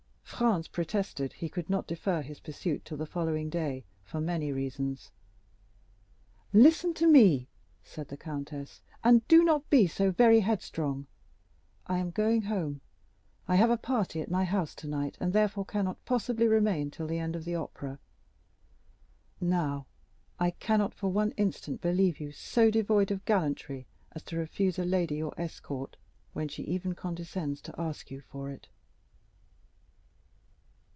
Franz protested he could not defer his pursuit till the following day, for many reasons. "Listen to me," said the countess, "and do not be so very headstrong. I am going home. I have a party at my house tonight, and therefore cannot possibly remain till the end of the opera. Now, I cannot for one instant believe you so devoid of gallantry as to refuse a lady your escort when she even condescends to ask you for it."